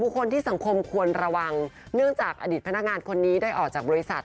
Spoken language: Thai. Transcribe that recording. คนที่สังคมควรระวังเนื่องจากอดีตพนักงานคนนี้ได้ออกจากบริษัท